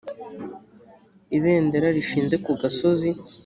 ibendera rishinze ku gasozi